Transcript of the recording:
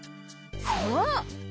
そう！